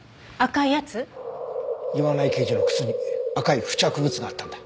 岩内刑事の靴に赤い付着物があったんだ。